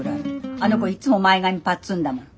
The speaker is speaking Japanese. あの子いっつも前髪パッツンだもの。